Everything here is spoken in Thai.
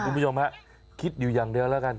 คุณผู้ชมฮะคิดอยู่อย่างเดียวแล้วกัน